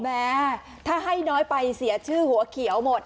แม้ถ้าให้น้อยไปเสียชื่อหัวเขียวหมด